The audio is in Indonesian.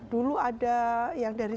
dulu ada yang dari